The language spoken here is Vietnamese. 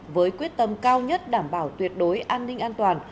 với quyết tâm cao nhất đảm bảo tuyệt đối an ninh an toàn